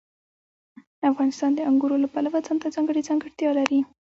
افغانستان د انګورو له پلوه ځانته ځانګړې ځانګړتیا لري.